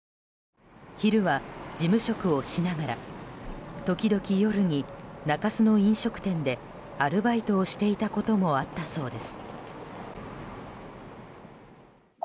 昼は事務職をしながら時々夜に中洲の飲食店でアルバイトをしていたこともあったそうです。